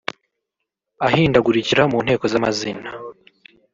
ahindagurikira mu nteko z’amazina